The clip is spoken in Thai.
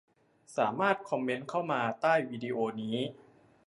สามารถคอมเมนต์เข้ามาใต้วิดีโอนี้